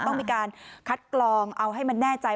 ต้องมีการคัดกรองเอาให้มันแน่ใจ